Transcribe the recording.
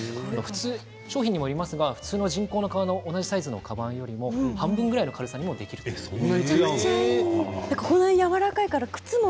商品にもよりますが普通の人工の革の同じサイズのかばんよりも半分ぐらいの軽さでできるそうです。